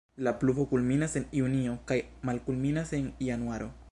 La pluvo kulminas en junio kaj malkulminas en januaro.